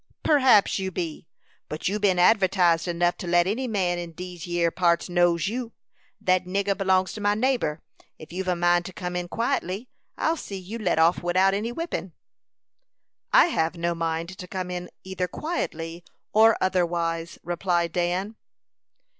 "Perhaps you be, but you've been advertised enough to let any man in these yere parts know you. That nigger belongs to my neighbor. If you've a mind to come in quietly, I'll see you let off without any whippin." "I have no mind to come in, either quietly or otherwise," replied Dan.